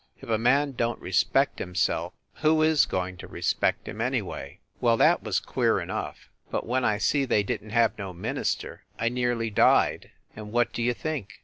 If a man don t respect himself, who is going to respect him, anyway? Well, that was queer enough, but when I see they didn t have no minister I nearly died. And, what d you think?